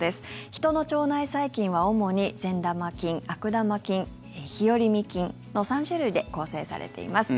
人の腸内細菌は主に善玉菌、悪玉菌、日和見菌の３種類で構成されています。